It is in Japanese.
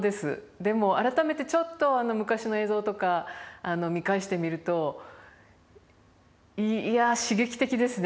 でも改めてちょっと昔の映像とか見返してみるといや刺激的ですね。